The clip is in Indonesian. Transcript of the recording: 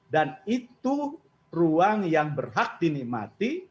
dan itu ruang yang berhak dinikmati